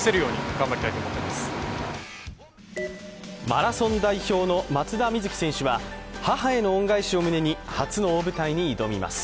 マラソン代表の松田瑞生選手は、母への恩返しを胸に初の大舞台に挑みます。